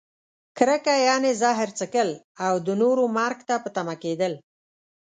کرکه؛ یعنې زهر څښل او د نورو مرګ ته په تمه کیدل.